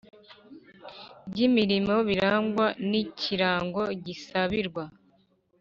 Ry imirimo birangwa n ikirango gisabirwa